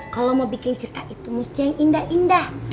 kalau mau bikin cerita itu mesti yang indah indah